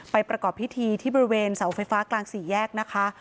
ประกอบพิธีที่บริเวณเสาไฟฟ้ากลางสี่แยกนะคะ